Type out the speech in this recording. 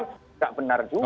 nggak benar juga